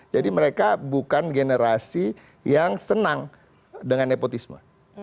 jadi mereka bukan generasi yang senang dengan nepotisme